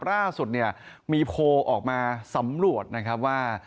ล่าสุดเนี่ยมีโพลออกมาสำรวจนะครับว่า